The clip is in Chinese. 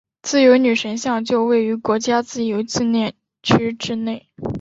自由女神像就位于国家自由纪念区之内。